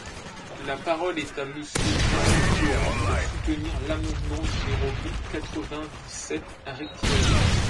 La parole est à Monsieur Jean-Luc Laurent, pour soutenir l’amendement numéro mille quatre-vingt-dix-sept rectifié.